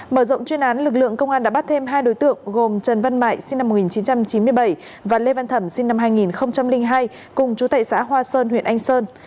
mở rộng chuyên án lực lượng công an đã bắt thêm hai đối tượng gồm trần văn mại sinh năm một nghìn chín trăm chín mươi bảy và lê văn thẩm sinh năm hai nghìn hai cùng chú tệ xã hoa sơn huyện anh sơn